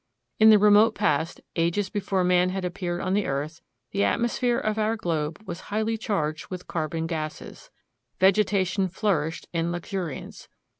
In the remote past, ages before man had appeared on the earth, the atmosphere or our globe was highly charged with carbon gases. Vegetation flourished in luxuriance.